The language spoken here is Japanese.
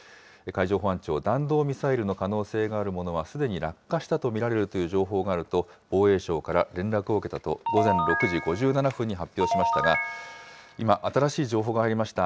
海上保安庁、弾道ミサイルの可能性があるものは、すでに落下したと見られるという情報があると、防衛省から連絡を受けたと、午前６時５７分に発表しましたが、今、新しい情報が入りました。